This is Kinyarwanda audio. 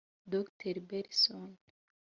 Dr Belson